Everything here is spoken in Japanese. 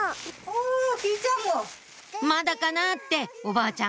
まだかな？っておばあちゃん